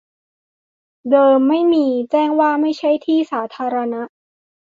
เดิมไม่มี แจ้งว่าไม่ใช่ที่สาธารณะ